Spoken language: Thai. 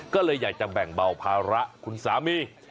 ก็เลยอยากจะแบ่งเบาภาระคุณสามี